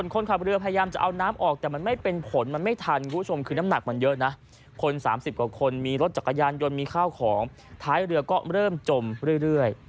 คน๓๐กว่าคนมีรถจักรยานยนต์มีข้าวของท้ายเรือก็เริ่มจมเรื่อย